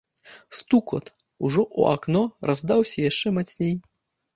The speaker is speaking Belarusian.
Стукат, ужо ў акно, раздаўся яшчэ мацней.